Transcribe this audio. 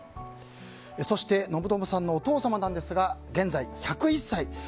そして信友さんのお父様なんですが現在、１０１歳。